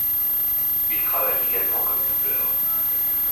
Il travaille également comme doubleur.